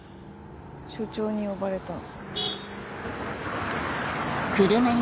署長に呼ばれた。